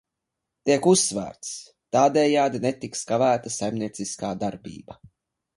"Tiek uzsvērts: "tādējādi netiks kavēta saimnieciskā darbība"."